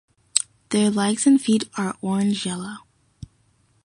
Their legs and feet are orange-yellow.